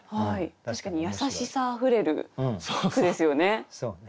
確かに優しさあふれる句ですよね。